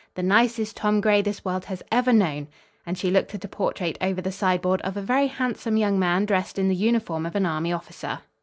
"The nicest Tom Gray this world has ever known." And she looked at a portrait over the sideboard of a very handsome young man dressed in the uniform of an Army officer.